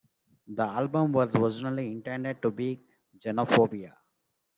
The album was originally intended to be called "Xenophobia".